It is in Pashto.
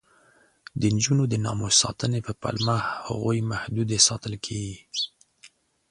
د نجونو د ناموس ساتنې په پلمه هغوی محدودې ساتل کېږي.